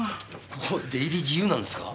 ここ出入り自由なんですか？